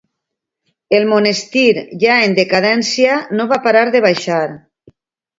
El monestir, ja en decadència, no va parar de baixar.